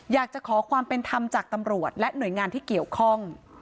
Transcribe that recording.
อยากจะขอความเป็นธรรมจากตำรวจและหน่วยงานที่เกี่ยวข้อง